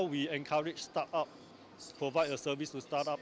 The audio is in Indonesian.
memberikan perkhidmatan untuk startup